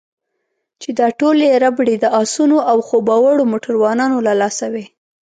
چې دا ټولې ربړې د اسونو او خوب وړو موټروانانو له لاسه وې.